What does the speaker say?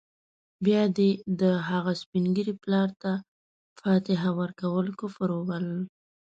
بيا دې د هغه سپین ږیري پلار ته فاتحه ورکول کفر وبلل.